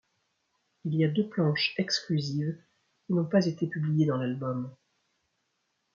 Il y a deux planches exclusives qui n'ont pas été publiées dans l'album.